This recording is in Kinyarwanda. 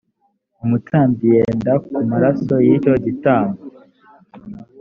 umutambyi yende ku maraso y;icyo gitambo